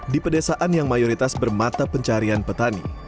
di pedesaan yang mayoritas bermata pencarian petani